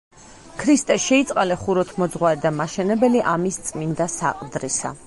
ქრისტე შეიწყალე ხუროთმოძღვარი და მაშენებელი ამის წმინდა საყდრისა.